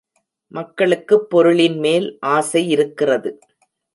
மக்களுக்குப் பொருளின்மேல் ஆசையிருக்கிறது.